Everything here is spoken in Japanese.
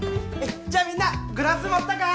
じゃあみんなグラス持ったか？